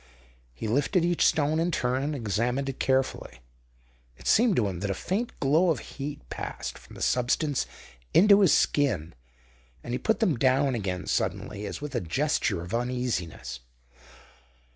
He lifted each stone in turn and examined it carefully. It seemed to him that a faint glow of heat passed from the substance into his skin, and he put them down again suddenly, as with a gesture of uneasiness.